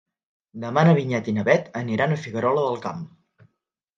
Demà na Vinyet i na Bet aniran a Figuerola del Camp.